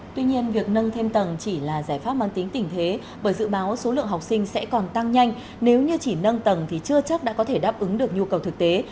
tuy nhiên việc nâng thêm tầng chỉ là giải pháp mang tính tỉnh thế bởi dự báo số lượng học sinh sẽ còn tăng nhanh nếu như chỉ nâng tầng thì chưa chắc đã có thể đáp ứng được nhu cầu thực tế